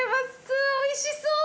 おいしそう！